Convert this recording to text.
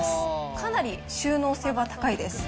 かなり収納性は高いです。